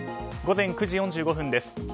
午前９時４５分です。